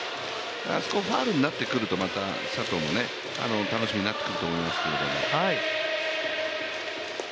ファウルになってくると佐藤も楽しみになってくると思いますけど。